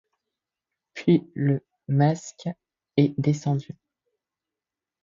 Puis le masque est descendu.